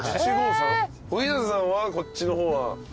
小日向さんはこっちの方は？